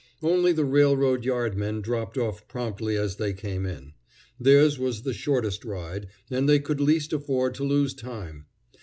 Only the railroad yardmen dropped off promptly as they came in. Theirs was the shortest ride, and they could least afford to lose time.